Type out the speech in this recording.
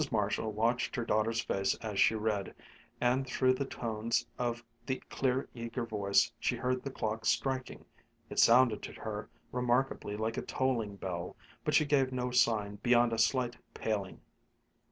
Marshall watched her daughter's face as she read, and through the tones of the clear eager voice she heard the clock striking. It sounded to her remarkably like a tolling bell, but she gave no sign beyond a slight paling.